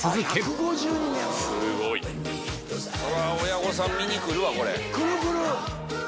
親御さん見に来るわこれ。